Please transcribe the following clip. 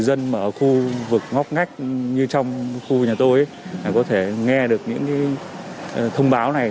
dân ở khu vực ngóc ngách như trong khu nhà tôi có thể nghe được những thông báo này